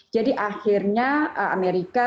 jadi akhirnya amerika